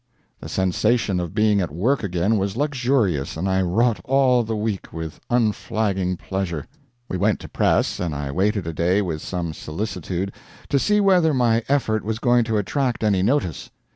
The sensation of being at work again was luxurious, and I wrought all the week with unflagging pleasure. We went to press, and I waited a day with some solicitude to see whether my effort was going to attract any notice.